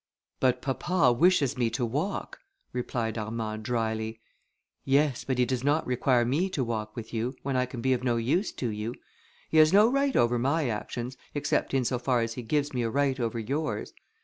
"But papa wishes me to walk," replied Armand drily. "Yes, but he does not require me to walk with you, when I can be of no use to you. He has no right over my actions, except in so far as he gives me a right over yours.